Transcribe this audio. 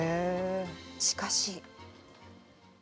しかし。